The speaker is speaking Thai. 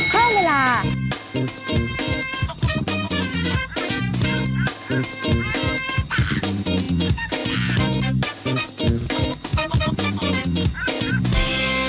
เพิ่มเวลา